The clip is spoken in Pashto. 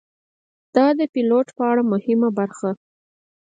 دا ده د پیلوټ په اړه دوهمه برخه: